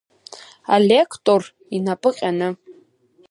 Алектор инапы ҟьаны.